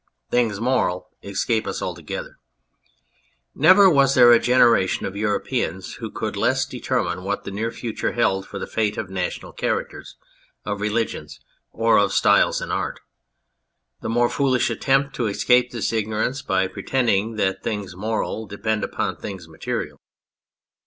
Things moral escape us altogether. Never was there a generation of Europeans who could less determine what the near future held for the fate of national characters, of religions, or of styles in art ; the more foolish attempt to escape this ignorance by pretend ing that things moral depend upon things material.